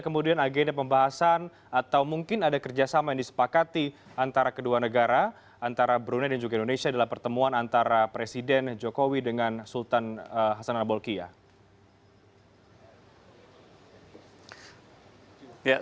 kemudian agenda pembahasan atau mungkin ada kerjasama yang disepakati antara kedua negara antara brunei dan juga indonesia dalam pertemuan antara presiden jokowi dengan sultan hasan abolkiyah